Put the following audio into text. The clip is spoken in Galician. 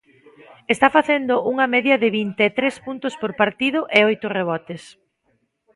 Está facendo unha media de vinte e tres puntos por partido e oito rebotes.